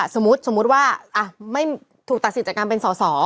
สมมุติว่าไม่ถูกตัดสิทธิจากการเป็นสอสอ